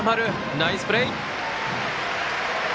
ナイスプレー！